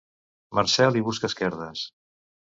Marcel hi busca esquerdes.